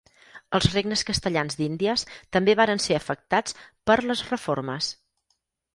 Els regnes castellans d'Índies també varen ser afectats per les reformes.